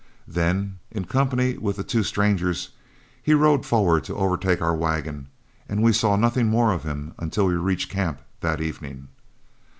Then in company with the two strangers, he rode forward to overtake our wagon, and we saw nothing more of him until we reached camp that evening.